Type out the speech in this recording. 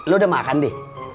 lo udah makan bi